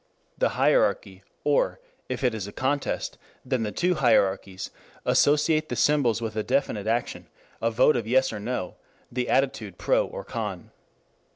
The hierarchy, or, if it is a contest, then the two hierarchies, associate the symbols with a definite action, a vote of Yes or No, an attitude pro or con.